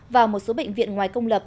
và một số bệnh viện ngoài công lập